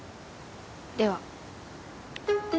では。